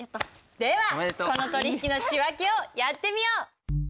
ではこの取引の仕訳をやってみよう！